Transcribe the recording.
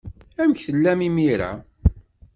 Amek tellam imir-a?